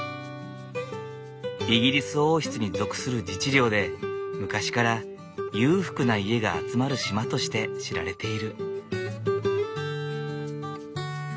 イギリス王室に属する自治領で昔から裕福な家が集まる島として知られている。